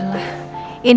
alles masih mudah mengeluhin